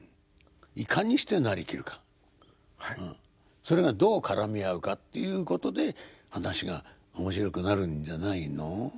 それがどう絡み合うかっていうことで噺が面白くなるんじゃないの。